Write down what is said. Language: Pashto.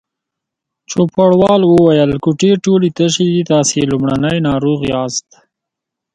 چوپړوال وویل: کوټې ټولې تشې دي، تاسې لومړنی ناروغ یاست.